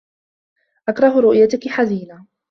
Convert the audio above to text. أكره رؤيتك حزينة.